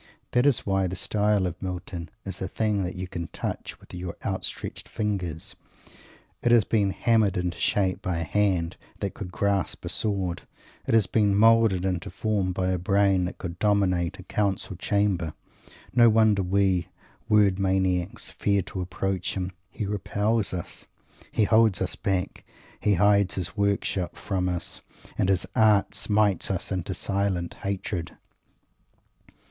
That is why the style of Milton is a thing that you can touch with your outstretched fingers. It has been hammered into shape by a hand that could grasp a sword; it has been moulded into form by a brain that could dominate a council chamber. No wonder we word maniacs fear to approach him. He repels us; he holds us back; he hides his work shop from us; and his art smites us into silent hatred.